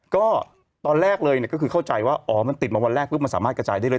ก็ตอนแรกเลยเนี่ยก็คือเข้าใจว่าอ๋อมันติดมาวันแรกปุ๊บมันสามารถกระจายได้เลย